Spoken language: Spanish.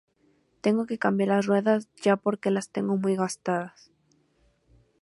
Tengo que cambiar las ruedas ya porque las tengo muy gastadas.